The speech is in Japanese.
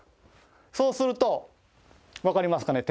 そうすると分かりますかね